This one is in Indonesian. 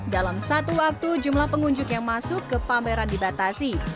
dalam satu waktu jumlah pengunjung yang masuk ke pameran dibatasi